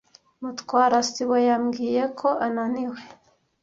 Mutwara sibo yambwiye ko ananiwe.